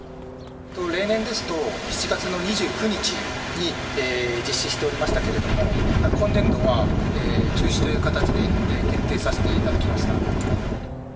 例年ですと、７月の２９日に実施しておりましたけれども、今年度は中止という形で決定させていただきました。